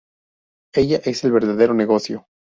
Ella es el verdadero negocio.